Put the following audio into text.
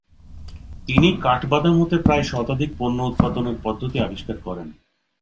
তিনি কাঠ বাদাম হতে প্রায় শতাধিক পণ্য উৎপাদনের পদ্ধতি আবিষ্কার করেন।